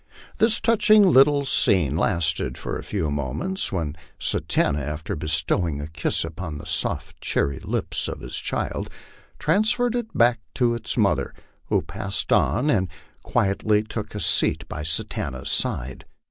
This touching little scene lasted for a few moments, when Satanta, after bestowing a kiss upon the soft, cherry lips of his child, transferred it back to its mother, who passed on and quietly took a seat by Satanta's side.